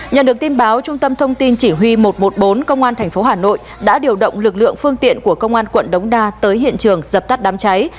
nhận được tin báo trung tâm thông tin chỉ huy một trăm một mươi bốn công an tp hà nội đã điều động lực lượng phương tiện của công an quận đống đa tới hiện trường dập tắt đám cháy